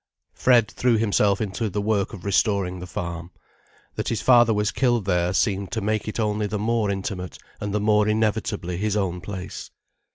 Fred threw himself into the work of restoring the farm. That his father was killed there, seemed to make it only the more intimate and the more inevitably his own place.